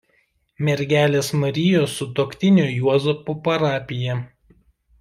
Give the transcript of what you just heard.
Mergelės Marijos Sutuoktinio Juozapo parapija.